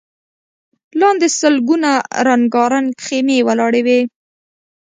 لاندې سلګونه رنګارنګ خيمې ولاړې وې.